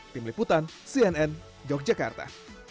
tim liputan cnn yogyakarta